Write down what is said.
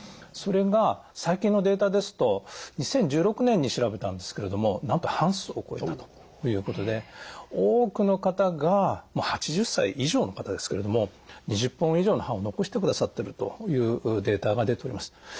それが最近のデータですと２０１６年に調べたんですけれどもなんと半数を超えたということで多くの方が８０歳以上の方ですけれども２０本以上の歯を残してくださってるというデータが出ております。